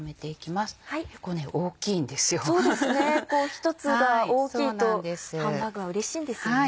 １つが大きいとハンバーグはうれしいんですよね。